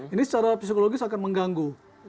ini secara psikologis akan mengganggu